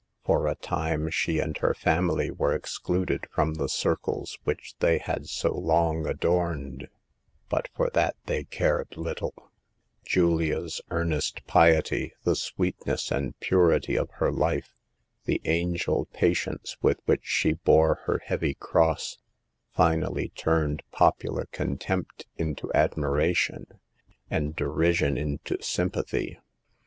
For a time she and her family were excluded from the circles which they had so long adorned, but for that they cared little. 128 SAVE THE GIRLS. Julia's earnest piety, the sweetness and pu rity of her life, the angel patience with which she bore her heavy cross, finally turned popular contempt into admiration, and derision into sym pathy.